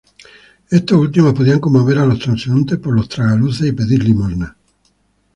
Estos últimos podían conmover a los transeúntes por los tragaluces y pedir limosna.